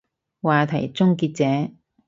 話題終結者